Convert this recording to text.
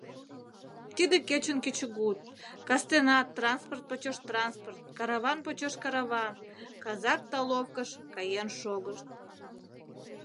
Тиде кечын кечыгут, кастенат транспорт почеш транспорт, караван почеш караван, Казак Таловкыш каен шогышт.